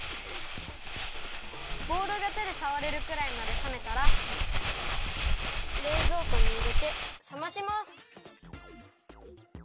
ボウルがてでさわれるくらいまでさめたられいぞうこにいれてさまします。